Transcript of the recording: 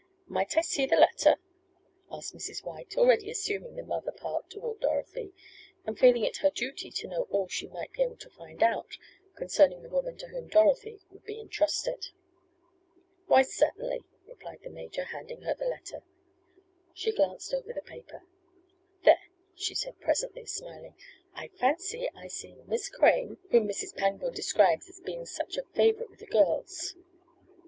"Might I see the letter?" asked Mrs. White, already assuming the mother part toward Dorothy, and feeling it her duty to know all she might be able to find out concerning the woman to whom Dorothy would be entrusted. "Why, certainly," replied the major, handing her the letter. She glanced over the paper. "There," she said presently, smiling. "I fancy I see Miss Crane, whom Mrs. Pangborn describes as being such a favorite with the girls.